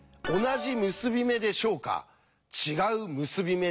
違う結び目でしょうか？